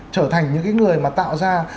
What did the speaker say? trở thành những cái người mà tạo ra